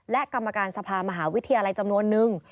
และกรรมการสภามหาวิทยาลัยจำนวนนึง